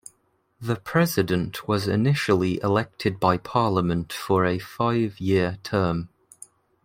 The President was initially elected by Parliament for a five-year term.